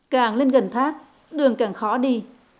càng lên gần thác đường càng khó đi